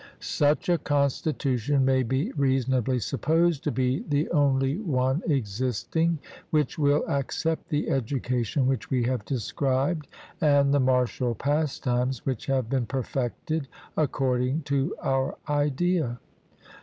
Such a constitution may be reasonably supposed to be the only one existing which will accept the education which we have described, and the martial pastimes which have been perfected according to our idea.